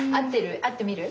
会ってみる？